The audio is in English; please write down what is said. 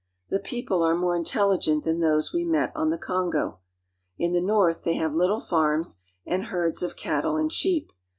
The people are more intelligent than those we met on the Kongo. In the north they have ]^^ little farms and herds of cattle and sheep.